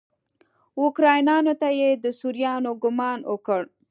اوکرانیانو ته یې د سوريانو ګمان وکړ.